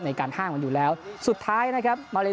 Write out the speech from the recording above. ในการท่างมันอยู่แล้วสุดท้ายนะครับ